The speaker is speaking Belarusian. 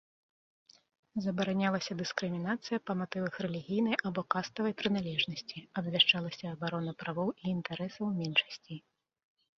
Забаранялася дыскрымінацыя па матывах рэлігійнай або каставай прыналежнасці, абвяшчалася абарона правоў і інтарэсаў меншасцей.